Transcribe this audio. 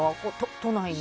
都内に。